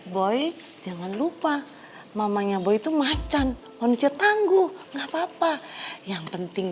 boy jangan lupa mamanya boy itu macan manusia tangguh enggak apa apa yang penting